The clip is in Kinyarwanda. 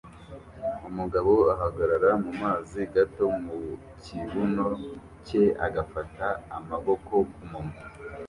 umugabo ahagarara mumazi gato mukibuno cye agafata amaboko kumunwa